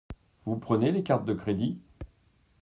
Vous prenez les cartes de crédit ?